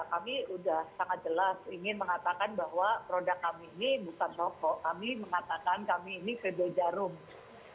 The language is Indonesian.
kami udah sangat jelas ingin mengatakan bahwa produk kami ini bukan rokok